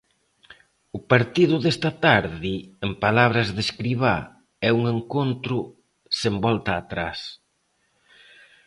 O partido desta tarde, en palabras de Escribá, é un encontro sen volta atrás...